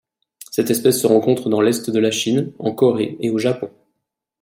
Cette espèce se rencontre dans l'est de la Chine, en Corée et au Japon.